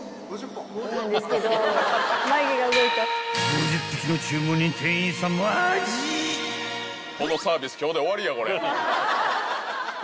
［５０匹の注文に店員さんもアジー！］